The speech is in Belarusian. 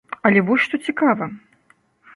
Але вось што цікава.